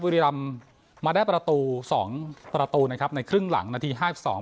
บุรีรำมาได้ประตูสองประตูนะครับในครึ่งหลังนาทีห้าสิบสอง